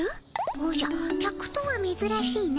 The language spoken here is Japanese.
おじゃ客とはめずらしいの。